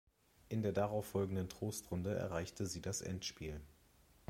In der darauf folgenden Trostrunde erreichte sie das Endspiel.